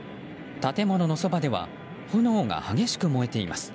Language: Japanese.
建物のそばでは炎が激しく燃えています。